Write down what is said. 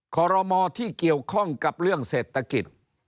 ขอรมอที่เกี่ยวข้องกับเรื่องเศรษฐกิจ